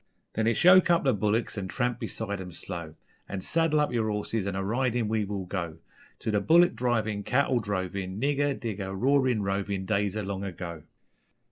_Then it's yoke up the bullicks and tramp beside 'em slow, An' saddle up yer horses an' a ridin' we will go, To the bullick drivin', cattle drovin', Nigger, digger, roarin', rovin' Days o' long ago.